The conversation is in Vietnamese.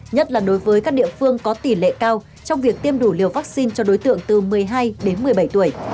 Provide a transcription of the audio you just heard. nhất là đối với các địa phương có tỷ lệ cao trong việc tiêm đủ liều vaccine cho đối tượng từ một mươi hai đến một mươi bảy tuổi